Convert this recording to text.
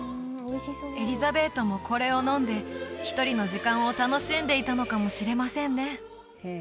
エリザベートもこれを飲んで１人の時間を楽しんでいたのかもしれませんね